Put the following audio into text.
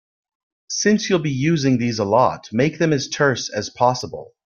Since you'll be using these a lot, make them as terse as possible.